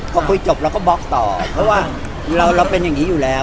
พอคุยจบเราก็บล็อกต่อเพราะว่าเราเป็นอย่างนี้อยู่แล้ว